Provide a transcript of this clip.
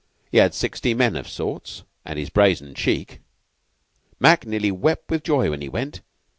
He had sixty men of sorts and his brazen cheek. Mac nearly wept with joy when he went.